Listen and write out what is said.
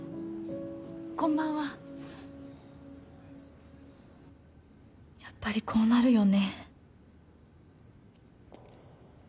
こんばんはやっぱりこうなるよね